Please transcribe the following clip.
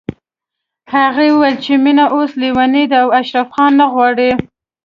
هغې ويل چې مينه اوس ليونۍ ده او اشرف خان نه غواړي